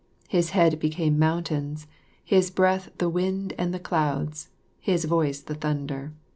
His head became mountains, his breath the wind and the clouds, his voice the thunder.